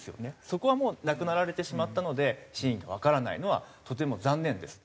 そこはもう亡くなられてしまったので真意がわからないのはとても残念です。